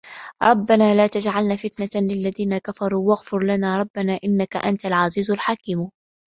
رَبَّنا لا تَجعَلنا فِتنَةً لِلَّذينَ كَفَروا وَاغفِر لَنا رَبَّنا إِنَّكَ أَنتَ العَزيزُ الحَكيمُ